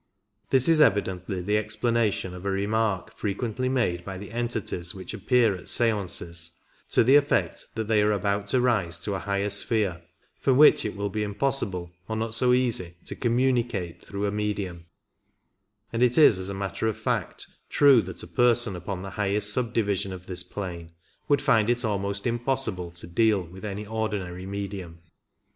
This is evidently the explanation of a remark frequently made by the entities which appear at seances to the effect that they are about to rise to a higher sphere, from which it will be impossible, or not so easy, to " communicate " through a medium ; and it is as a matter of fact true that a person upon the highest subdivision of this plane would find it almost impossible to deal with any ordinary medium.